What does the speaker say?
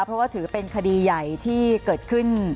เพราะว่าถือเป็นคดีใหญ่ที่เกิดขึ้น